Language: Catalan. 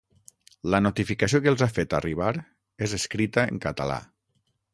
La notificació que els ha fet arribar és escrita en català.